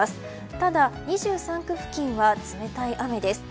ただ、２３区付近は冷たい雨です。